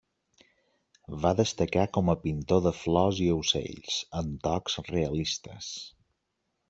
Va destacar com a pintor de flors i ocells, amb tocs realistes.